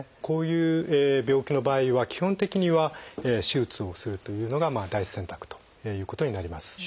こういう病気の場合は基本的には手術をするというのが第一選択ということになります。